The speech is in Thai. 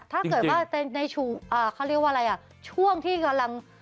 ถ้าเกิดว่าในช่วงเขาเรียกว่าอะไรอ่ะช่วงที่กำลัง